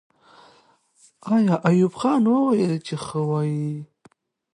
آیا ایوب خان وویل چې ښه وایي؟